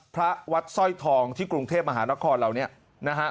พระวัดสร้อยทองที่กรุงเทพมหานครเหล่านี้นะฮะ